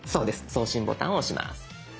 送信ボタンを押します。